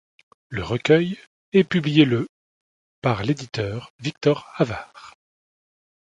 Le recueil est publié le par l'éditeur Victor Havard.